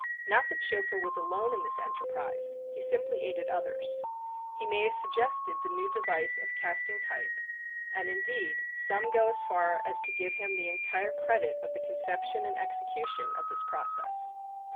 Not that Schoeffer was alone in this enterprise; he simply aided others. He may have suggested the new device of casting type, and indeed some go as far as to give him the entire credit of the conception and execution of this process.